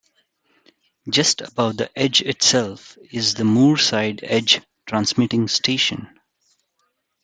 Just above the edge itself is the Moorside Edge transmitting station.